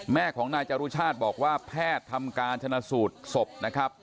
แม่ของนายจรุชาติบอกว่าแพทย์ทำการชนะสูตรศพนะครับ